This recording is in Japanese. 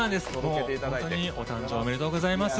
本当にお誕生、おめでとうございます。